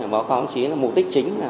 báo cáo anh chí là mục đích chính